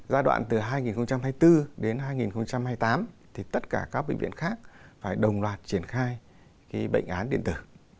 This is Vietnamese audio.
giai đoạn từ hai nghìn hai mươi bốn đến hai nghìn hai mươi tám thì tất cả các bệnh viện khác phải đồng loạt triển khai bệnh án điện tử